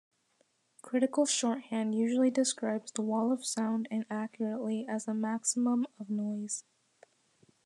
Critical shorthand usually describes the Wall of Sound inaccurately as a maximum of noise.